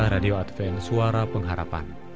radio advent suara pengharapan